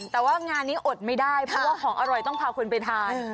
แต่ว่างานนี้อดไม่ได้เพราะว่าของอร่อยต้องพาคนไปทาน